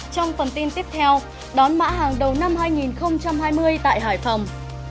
trong phần tin tiếp theo đón mã hàng đầu năm hai nghìn hai mươi tại hải phòng